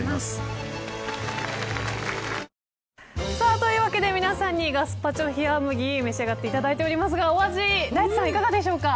というわけで皆さんにガスパチョ冷麦、召し上がっていただいておりますが、お味大地さん、いかがでしょうか。